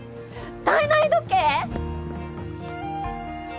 体内時計？